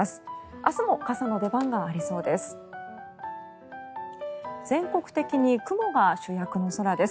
明日も傘の出番がありそうです。